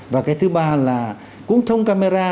và cái thứ ba là cũng thông camera